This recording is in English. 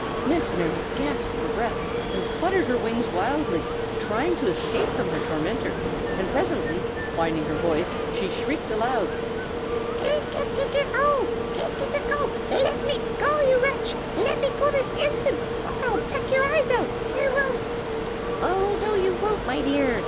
Miss Mary gasped for breath, and fluttered her wings wildly, trying to escape from her tormentor, and presently, finding her voice, she shrieked aloud: "Ke ke kee! ki ko! ki ko KAA! Let me go, you little wretch! Let me go this instant, or I'll peck your eyes out! I will " "Oh, no, you won't, my dear!"